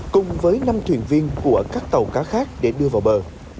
cùng với năm thuyền viên của các tàu cá khác để đưa vào bờ